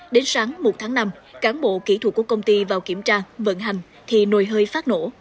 đến sáng một tháng năm cán bộ kỹ thuật của công ty vào kiểm tra vận hành thì nồi hơi phát nổ